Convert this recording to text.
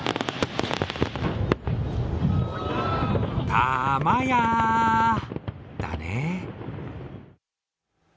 たまや、だね。